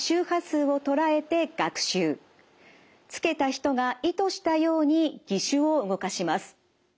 つけた人が意図したように義手を動かします。